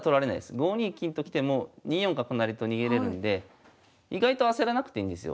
５二金と来ても２四角成と逃げれるんで意外と焦らなくていいんですよ。